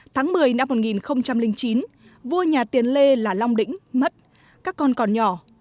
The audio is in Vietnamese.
tháng một mươi năm một nghìn chín vua nhà tiền lê là long đĩnh mất các con còn nhỏ